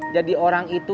jadi orang itu